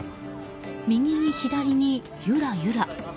右に左に、ゆらゆら。